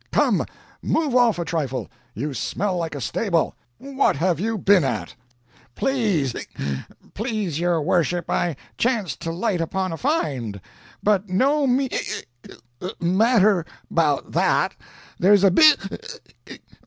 Come move off a trifle; you smell like a stable; what have you been at?" "Please ['ic!) please your worship I chanced to light upon a find. But no m(e uck!) matter 'bout that. There's b['ic